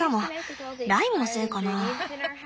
ライムのせいかなあ？